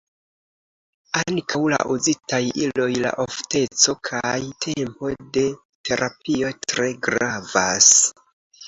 Ankaŭ la uzitaj iloj, la ofteco kaj tempo de terapio tre gravas.